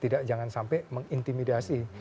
tidak jangan sampai mengintimidasi